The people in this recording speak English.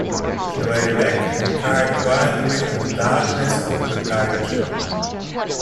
She lay back and cried quietly in the darkness of the carriage.